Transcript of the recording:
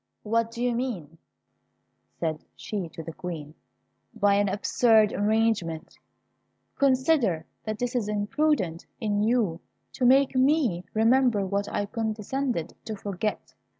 "What do you mean," said she to the Queen, "by an absurd arrangement! Consider, that it is imprudent in you to make me remember what I have condescended to forget.